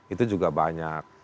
itu juga banyak